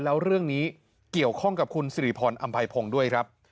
แล้วเรื่องนี้เกี่ยวข้องกับคุณสิริพรอำไพพงศ์ด้วยครับ